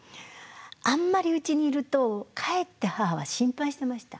あんまりうちにいるとかえって母は心配してました。